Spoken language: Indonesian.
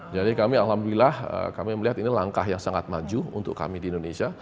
jadi kami alhamdulillah kami melihat ini langkah yang sangat maju untuk kami di indonesia